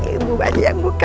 ibu aja yang buka